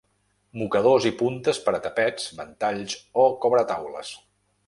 Mocadors i puntes per a tapets, ventalls o cobretaules.